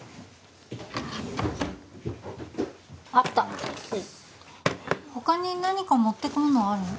あった他に何か持っていくものある？